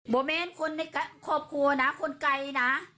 โมเมนคนในครอบครัวนะคนไกลนะ